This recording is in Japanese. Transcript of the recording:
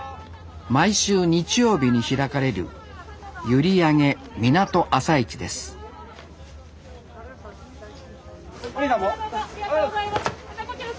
毎週日曜日に開かれるゆりあげ港朝市ですさあどうぞ。